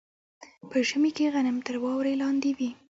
په ژمي کې غنم تر واورې لاندې وي.